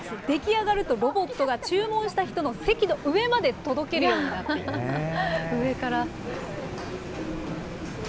出来上がるとロボットが注文した人の席の上まで届けるようになっ上から。